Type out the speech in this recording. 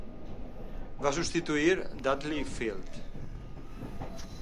Va substituir Dudley Field.